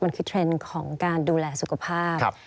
มันคือเทรนด์ของการดูแลสุขภาพ